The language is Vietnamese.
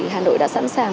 hà nội đã sẵn sàng